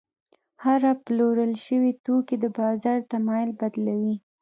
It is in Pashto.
هره پلورل شوې توکي د بازار تمایل بدلوي.